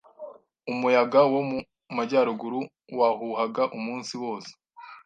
Umuyaga wo mu majyaruguru wahuhaga umunsi wose.